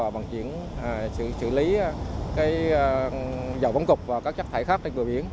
bằng chuyện xử lý dầu vón cục và các chất thải khác trên bờ biển